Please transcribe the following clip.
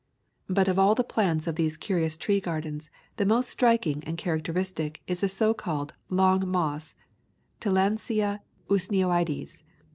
But of all the plants of these curious tree gardens the most striking and characteristic is the so called Long Moss (Tillandsia usneoides).